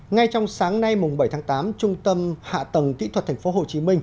ngay trong sáng nay bảy tháng tám trung tâm hạ tầng kỹ thuật tp hcm